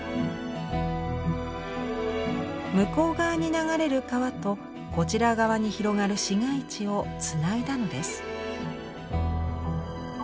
向こう側に流れる川とこちら側に広がる市街地をつないだのです。